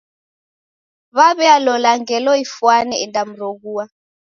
Waw'ialola ngelo ifwane endamroghua.